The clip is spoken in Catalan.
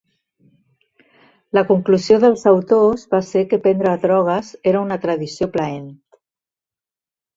La conclusió dels autors va ser que prendre drogues era una tradició plaent.